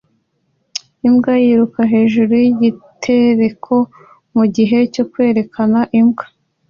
Imbwa yiruka hejuru yigitereko mugihe cyo kwerekana imbwa